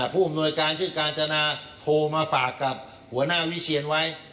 ผู้อำนวยการชื่อกาญจนาโทรมาฝากกับหัวหน้าวิเชียนไว้